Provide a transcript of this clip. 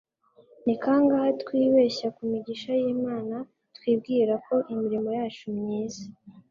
Ni kangahe twibeshya ku migisha y'Imana twibwira ko imirimo yacu myiza